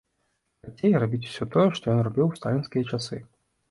Карацей, рабіць усё тое, што ён рабіў у сталінскія часы.